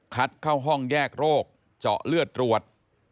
เข้าห้องแยกโรคเจาะเลือดตรวจ